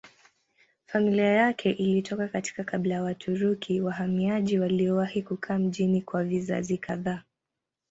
Familia yake ilitoka katika kabila ya Waturuki wahamiaji waliowahi kukaa mjini kwa vizazi kadhaa.